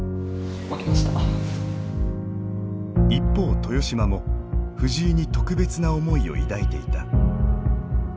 一方豊島も藤井に特別な思いを抱いていた。